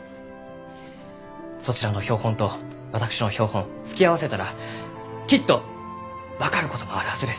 そちらの標本と私の標本突き合わせたらきっと分かることもあるはずです。